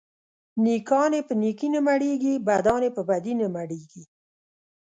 نيکان يې په نيکي نه مړېږي ، بدان يې په بدي نه مړېږي.